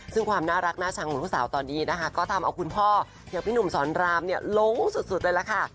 ซึ่งความน่ารักน่าชังของลูกสาวตอนนี้นะคะก็ทำเอาคุณพ่ออย่างพี่หนุ่มสอนรามเนี่ยลงสุดเลยล่ะค่ะ